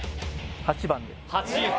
８番で８